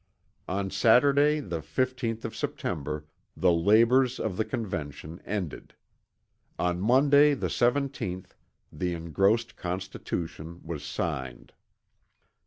On Saturday the 15th of September the labors of the Convention ended. On Monday the 17th, the engrossed Constitution was signed.